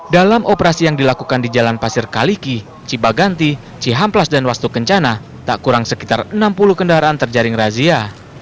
dalam operasi yang dilakukan di jalan pasir kaliki cibaganti cihamplas dan wastu kencana tak kurang sekitar enam puluh kendaraan terjaring razia